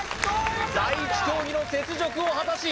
第１競技の雪辱を果たし